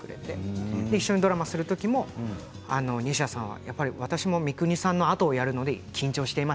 一緒にドラマをする時にも西田さんは私も三國さんのあとをやるので緊張しています